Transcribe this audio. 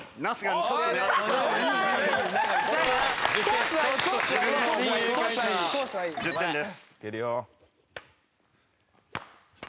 ２０点です。